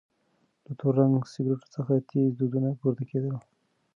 له تور رنګه سکروټو څخه تېز دودونه پورته کېدل.